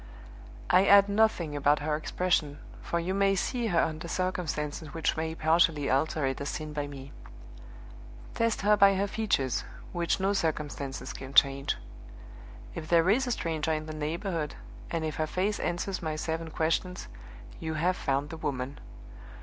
"I add nothing about her expression, for you may see her under circumstances which may partially alter it as seen by me. Test her by her features, which no circumstances can change. If there is a stranger in the neighborhood, and if her face answers my seven questions, you have found the woman!